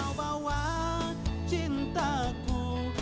aku kemarin ga mau